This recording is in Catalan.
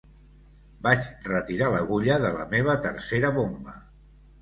Vaig retirar l'agulla de la meva tercera bomba